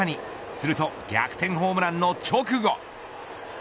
すると逆転ホームランの直後。